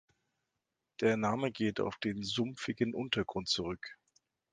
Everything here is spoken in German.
Der Name geht auf den sumpfigen Untergrund zurück.